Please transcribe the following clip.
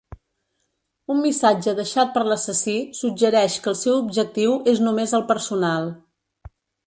Un missatge deixat per l'assassí suggereix que el seu objectiu és només el personal.